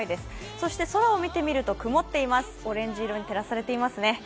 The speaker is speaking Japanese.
そして空を見てみると曇っています、オレンジ色に照らされていますね。